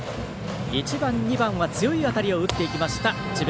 １番、２番は強い当たりを打っていきました智弁